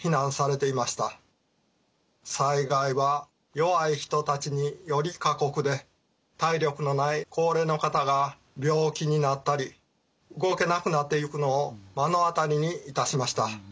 災害は弱い人たちにより過酷で体力のない高齢の方が病気になったり動けなくなっていくのを目の当たりにいたしました。